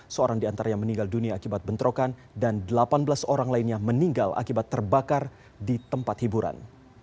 seorang diantara yang meninggal dunia akibat bentrokan dan delapan belas orang lainnya meninggal akibat terbakar di tempat hiburan